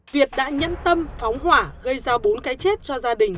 việt đã nhẫn tâm phóng hỏa gây ra bốn cái chết cho gia đình